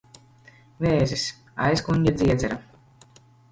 Vēzis. Aizkuņģa dziedzera.